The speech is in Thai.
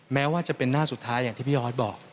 แม้ว่าจะเป็นหน้าสุดท้ายอย่างที่พี่ออสบอก